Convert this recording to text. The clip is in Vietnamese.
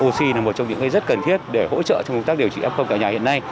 oxy là một trong những rất cần thiết để hỗ trợ trong công tác điều trị f cả nhà hiện nay